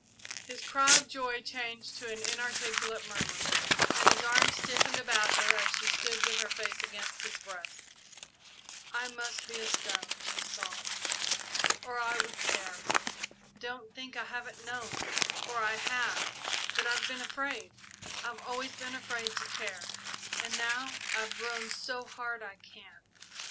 His cry of joy changed to an inarticulate murmur, and his arms stiffened about her as she stood with her face against his breast. "I must be a stone," she sobbed, "or I would care. Don't think I haven't known, for I have; but I've been afraid I've always been afraid to care, and now I've grown so hard I can't!